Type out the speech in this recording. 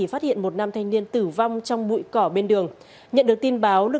và tin báo lực lượng công an